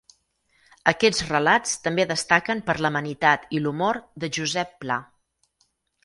Aquests relats també destaquen per l'amenitat i l'humor de Josep Pla.